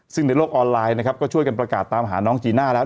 ซึ่งในโลกออนไลน์นะครับก็ช่วยกันประกาศตามหาน้องจีน่าแล้ว